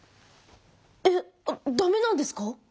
えっだめなんですか？